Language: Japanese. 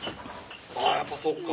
あやっぱそっか。